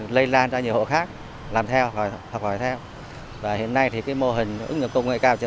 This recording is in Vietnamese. lây lan ra nhiều hộ khác làm theo hoặc hỏi theo và hiện nay thì cái mô hình ứng dụng công nghệ cao chợ